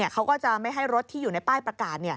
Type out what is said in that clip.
เขาก็จะไม่ให้รถที่อยู่ในป้ายประกาศ